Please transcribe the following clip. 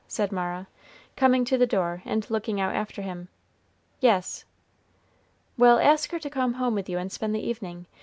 said Mara, coming to the door and looking out after him. "Yes." "Well, ask her to come home with you and spend the evening.